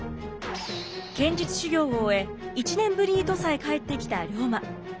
剣術修行を終え１年ぶりに土佐へ帰ってきた龍馬。